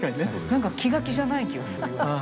なんか気が気じゃない気がするような。